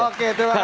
oke terima kasih